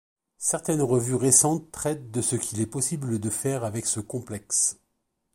Certaines revues récentes traitent de ce qu'il est possible de faire avec ce complexe.